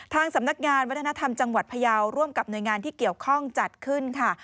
สำนักงานวัฒนธรรมจังหวัดพยาวร่วมกับหน่วยงานที่เกี่ยวข้องจัดขึ้นค่ะ